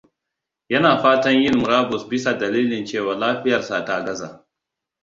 Yana fatan yin murabus bisa dalilan cewa lafiyarsa ta gaza.